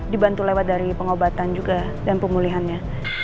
dibantu lewat dari pengobatan juga dan pemulihannya